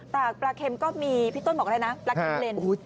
แต่ปลาเค็มก็มีพี่ต้นบอกแล้วนะปลาเก็บเลน